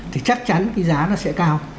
thì chắc chắn giá nó sẽ cao